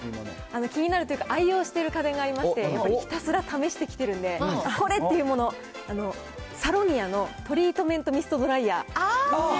気になるというか、愛用している家電がありまして、ひたすら試してきてるんで、これ！っていうもの、サロニアのトリートメントミストドライヤー。